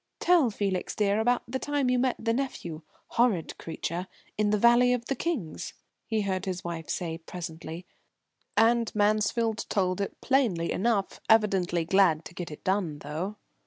"Tell Felix, dear, about the time you met the nephew horrid creature in the Valley of the Kings," he heard his wife say presently. And Mansfield told it plainly enough, evidently glad to get it done, though.